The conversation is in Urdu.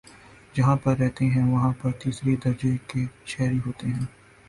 جہاں پر رہتے ہیں وہاں پر تیسرے درجے کے شہری ہوتے ہیں